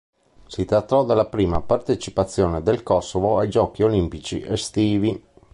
Si trattò della prima partecipazione del Kosovo ai giochi olimpici estivi.